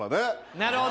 なるほど。